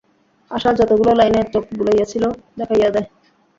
আশা যতগুলা লাইনে চোখ বুলাইয়াছিল, দেখাইয়া দেয়।